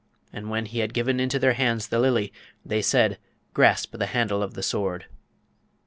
And when he had given into their hands the Lily, they said, 'Grasp the handle of the Sword!'